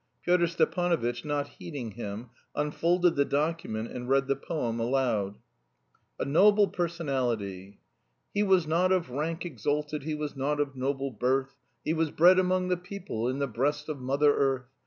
Pyotr Stepanovitch, not heeding him, unfolded the document and read the poem aloud: "A NOBLE PERSONALITY "He was not of rank exalted, He was not of noble birth, He was bred among the people In the breast of Mother Earth.